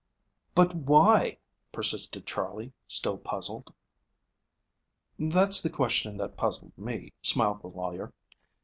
"But why?" persisted Charley, still puzzled. "That's the question that puzzled me," smiled the lawyer.